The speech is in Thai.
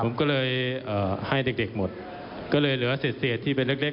ผมก็เลยเอ่อให้เด็กหมดก็เลยเหลือเสร็จที่เป็นเล็ก